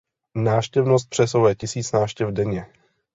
Návštěvnost přesahuje tisíc návštěv denně.